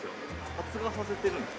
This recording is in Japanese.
発芽させてるんです。